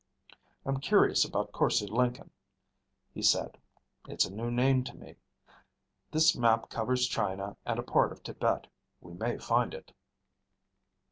"I'm curious about Korse Lenken," he said. "It's a new name to me. This map covers China and a part of Tibet. We may find it."